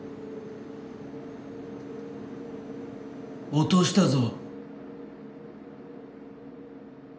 落としたぞ。